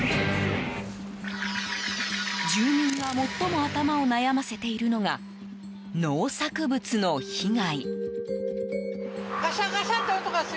住民が最も頭を悩ませているのが農作物の被害。